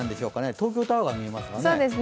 東京タワーが見えますね。